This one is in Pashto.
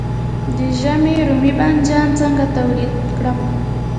د ژمي رومي بانجان څنګه تولید کړم؟